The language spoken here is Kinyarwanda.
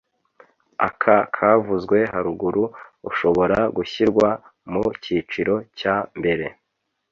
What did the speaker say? Aka kavuzwe haruguru ushobora gushyirwa mu cyiciro cya mbere